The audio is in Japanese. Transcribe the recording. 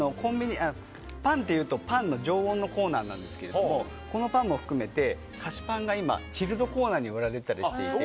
パンっていうと、パンの常温のコーナーなんですけどこのパンも含めて菓子パンが今、チルドコーナーに売られていたりして。